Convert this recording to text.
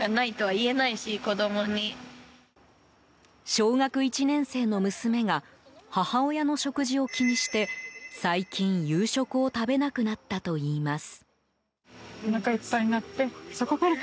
小学１年生の娘が母親の食事を気にして最近、夕食を食べなくなったといいます。